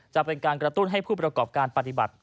จะเป็นการกระตุ้นให้ผู้ประกอบการปฏิบัติ